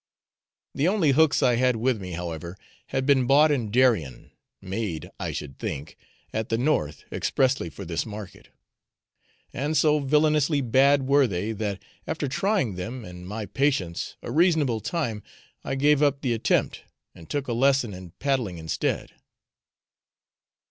The only hooks I had with me, however, had been bought in Darien made, I should think, at the North expressly for this market; and so villanously bad were they that, after trying them and my patience a reasonable time, I gave up the attempt and took a lesson in paddling instead.